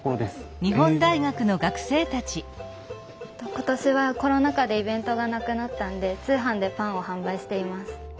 今年はコロナ禍でイベントがなくなったんで通販でパンを販売しています。